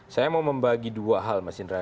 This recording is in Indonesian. saya mau membagi dua hal mas indra